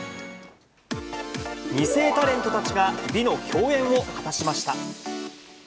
２世タレントたちが美の共演を果たしました。